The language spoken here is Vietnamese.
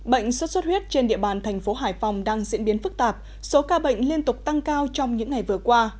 bệnh xuất xuất huyết trên địa bàn tp hcm đang diễn biến phức tạp số ca bệnh liên tục tăng cao trong những ngày vừa qua